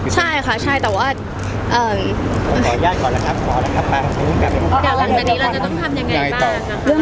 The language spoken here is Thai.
หลังจากนี้เราจะต้องทำยังไงบ้างเรื่องการผิดเที่ยวลแวะบ้าง